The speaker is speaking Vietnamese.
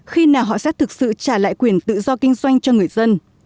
khi nào họ sẽ thực sự trả lại quyền tự do kinh doanh cho người dân